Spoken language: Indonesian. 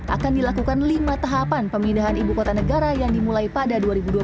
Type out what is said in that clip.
akan dilakukan lima tahapan pemindahan ibu kota negara yang dimulai pada dua ribu dua puluh